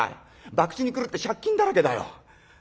博打に狂って借金だらけだよ。